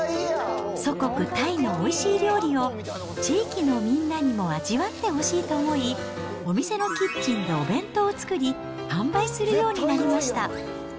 祖国、タイのおいしい料理を地域のみんなにも味わってほしいと思い、お店のキッチンでお弁当を作り、販売するようになりました。